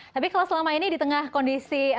tapi kalau selama ini di tengah kondisi